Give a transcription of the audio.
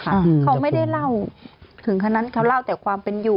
เขาไม่ได้เล่าถึงคนนั้นเขาเล่าแต่ความเป็นอยู่